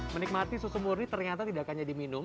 menikmati susu murni ternyata tidak hanya diminum